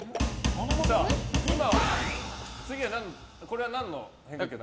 これは何の変化球を？